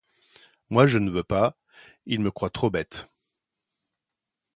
Moi, je ne veux pas, ils me croient trop bête!...